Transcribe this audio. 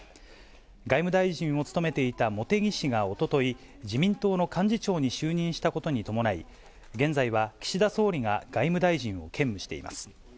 外務大臣を務めていた茂木氏がおととい、自民党の幹事長に就任したことに伴い、現在は岸田総理が外務大臣を兼務しています。